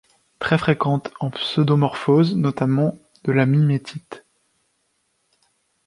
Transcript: Très fréquente en pseudomorphose notamment de la mimétite.